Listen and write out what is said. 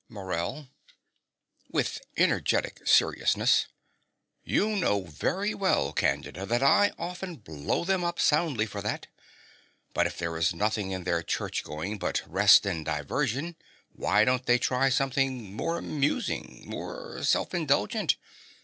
MORELL (with energetic seriousness). You know very well, Candida, that I often blow them up soundly for that. But if there is nothing in their church going but rest and diversion, why don't they try something more amusing more self indulgent?